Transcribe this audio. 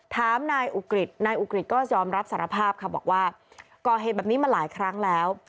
ถามนายอุกฤษนายอุกฤษก็ยอมรับสารภาพค่ะบอกว่าก่อเหตุแบบนี้มาหลายครั้งแล้ว